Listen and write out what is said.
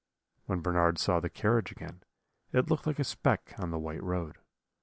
"When Bernard saw the carriage again, it looked like a speck on the white road.